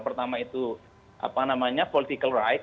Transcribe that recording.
pertama itu apa namanya political right